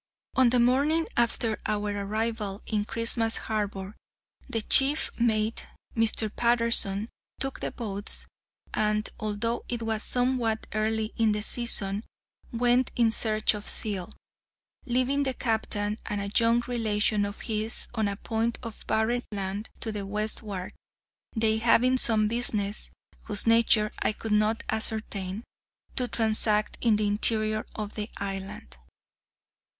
On the morning after our arrival in Christmas Harbour the chief mate, Mr. Patterson, took the boats, and (although it was somewhat early in the season) went in search of seal, leaving the captain and a young relation of his on a point of barren land to the westward, they having some business, whose nature I could not ascertain, to transact in the interior of the island.